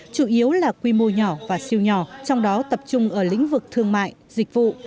chủ yếu là quy mô nhỏ và siêu nhỏ trong đó tập trung ở lĩnh vực thương mại dịch vụ